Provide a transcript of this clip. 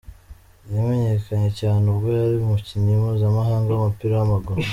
Yamenyekanye cyane ubwo yari umukinnyi mpuzamahanga w’umupira w’amaguru.